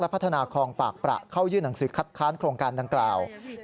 พัฒนาคลองปากประเข้ายื่นหนังสือคัดค้านโครงการดังกล่าว